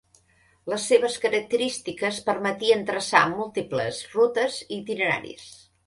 Les seves característiques permetien traçar múltiples rutes i itineraris.